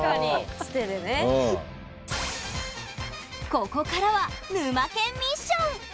ここからは「ぬまけんミッション」！